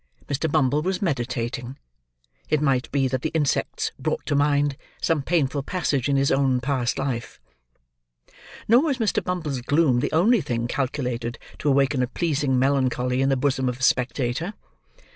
Mr. Bumble was meditating; it might be that the insects brought to mind, some painful passage in his own past life. Nor was Mr. Bumble's gloom the only thing calculated to awaken a pleasing melancholy in the bosom of a spectator.